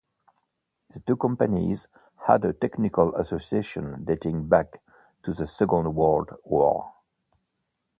The two companies had a technical association dating back to the Second World War.